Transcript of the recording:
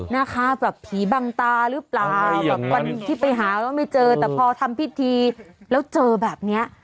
นะคะแบบผีบังตาหรือเปล่าแบบวันที่ไปหาแล้วไม่เจอแต่พอทำพิธีแล้วเจอแบบเนี้ย